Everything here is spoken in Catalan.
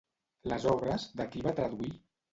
Les obres de qui va traduir?